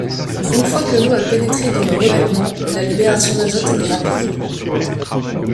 Une fois que l'eau a pénétré dans le revêtement, la libération d'azote est rapide.